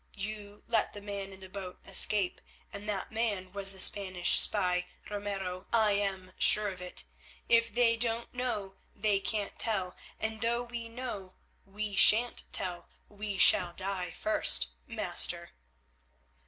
You let the man in the boat escape, and that man was the Spanish spy, Ramiro; I am sure of it. If they don't know they can't tell, and though we know we shan't tell; we shall die first, master."